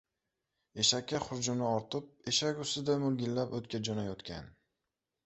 Eshakka xurjunni ortib, eshak ustida mulgillab o‘tga jo‘nayotgan.